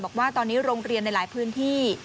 บอกว่าตอนนี้โรงเรียนในหลายพื้นที่